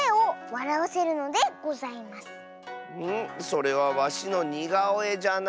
それはわしのにがおえじゃな。